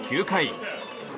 ９回。